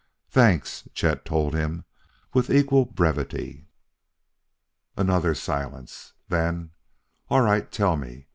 "Thanks," Chet told him with equal brevity. Another silence. Then: "All right, tell me!